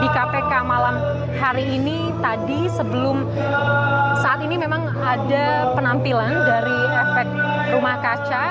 di kpk malam hari ini tadi sebelum saat ini memang ada penampilan dari efek rumah kaca